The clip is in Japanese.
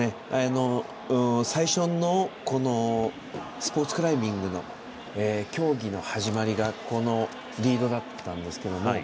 最初のスポーツクライミングの競技の始まりがこのリードだったんですけどね。